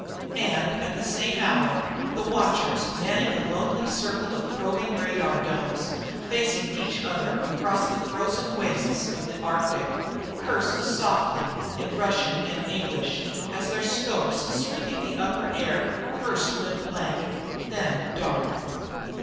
And at the same hour, the watchers manning the lonely circle of probing radar domes, facing each other across the frozen wastes of the Arctic, cursed softly in Russian and English as their scopes sweeping the upper air first went blank and then dark.